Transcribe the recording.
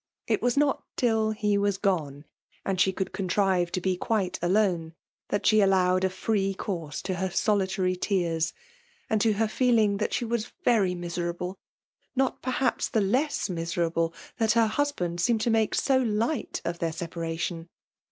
It was not till he was gone, and she could contrive to be quite alone, that she allowed a free course to her solitary tears, and to her feeling that she was very miserable; not perhaps the Z^^s miserable that her husband seemed to make so light of dr separation.